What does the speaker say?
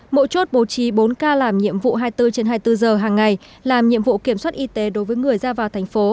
mỗi chốt bố trí bốn k làm nhiệm vụ hai mươi bốn trên hai mươi bốn giờ hàng ngày làm nhiệm vụ kiểm soát y tế đối với người ra vào thành phố